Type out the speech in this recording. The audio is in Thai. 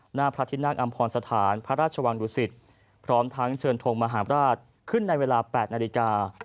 หน้าพระทินั่งอำพรสถานพระราชวังดุสิตพร้อมทั้งเชิญทงมหาราชขึ้นในเวลา๘นาฬิกา